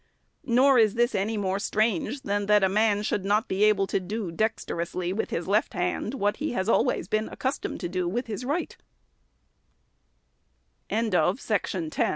Nor is this any more strange, than that a man should not be able to do dexterously with his left hand what he has always been accustomed to do wit